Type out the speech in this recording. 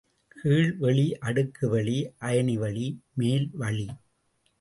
கீழ் வெளி, அடுக்கு வெளி, அயனி வெளி, மேல் வளி.